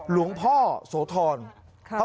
หลวงพ่อโทษธรใช่ครับ